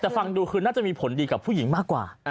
แต่ฟังดูคือน่าจะมีผลดีกับผู้หญิงมากกว่า